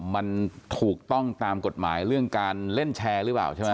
มันถูกต้องตามกฎหมายเรื่องการเล่นแชร์หรือเปล่าใช่ไหม